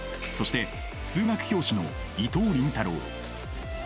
そして数学教師の伊藤倫太郎。